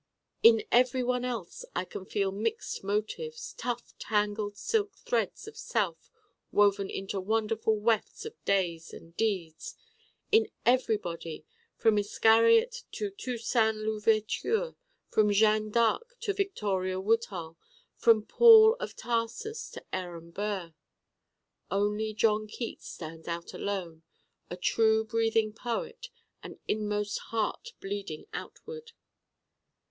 In everyone else I can feel mixed motives, tough tangled silk threads of self woven into wonderful wefts of days and deeds: in everybody, from Iscariot to Toussaint L'Ouverture, from Jeanne d'Arc to Victoria Woodhull, from Paul of Tarsus to Aaron Burr. Only John Keats stands out alone, a true breathing Poet, an Inmost Heart bleeding outward.